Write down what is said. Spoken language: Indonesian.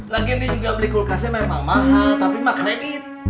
lagian dia juga beli kulkasnya memang mahal tapi magned